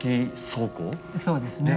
そうですね。